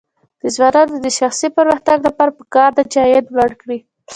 د ځوانانو د شخصي پرمختګ لپاره پکار ده چې عاید لوړ کړي.